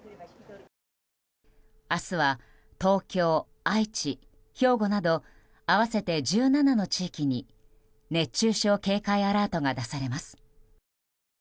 明日は東京、愛知、兵庫など合わせて１７の地域に熱中症警戒アラートが出されます。